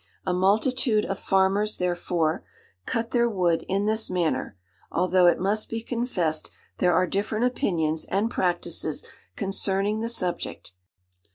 A multitude of farmers, therefore, cut their wood in this manner; although, it must be confessed, there are different opinions and practices concerning the subject.